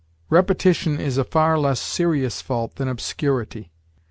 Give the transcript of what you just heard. Repetition is a far less serious fault than obscurity.